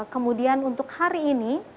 kemudian untuk hari ini